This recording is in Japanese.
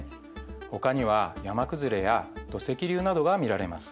ほかには山崩れや土石流などが見られます。